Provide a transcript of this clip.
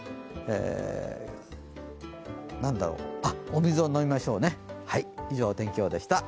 お水を飲みましょうね。